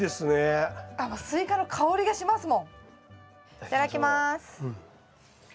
いただきます。